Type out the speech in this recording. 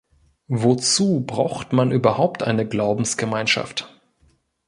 Wozu braucht man überhaupt eine Glaubensgemeinschaft?